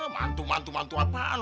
mantu mantu mantu apaan